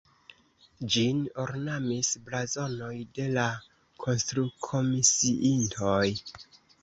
Ĝin ornamis blazonoj de la konstrukomisiintoj.